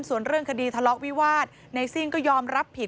ส่วนเรื่องคดีทะเลาะวิวาสในซิ่งก็ยอมรับผิด